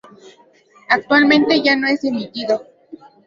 Actualmente ya no es emitido.